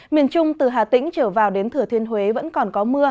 miền trung từ hà tĩnh trở vào đến thừa thiên huế vẫn còn có mưa